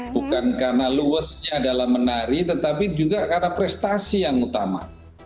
bukan karena luasnya dalam menari tetapi juga karena prestasi yang utama